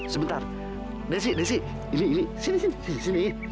sebentar desi desi ini ini sini sini